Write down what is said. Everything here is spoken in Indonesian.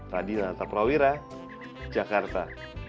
radin lanta prawira jakarta